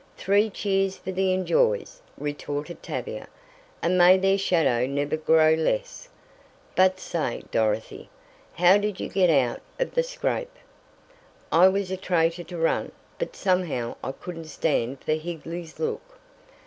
"Three cheers for the enjoys," retorted Tavia, "and may their shadow never grow less. But say, Dorothy, how did you get out of the scrape? I was a traitor to run, but somehow I couldn't stand for Higley's look.